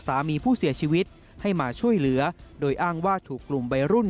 สามีผู้เสียชีวิตให้มาช่วยเหลือโดยอ้างว่าถูกกลุ่มวัยรุ่น